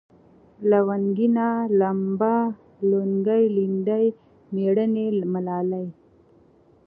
لونگينه ، لمبه ، لونگه ، ليندۍ ، مېړنۍ ، ملالۍ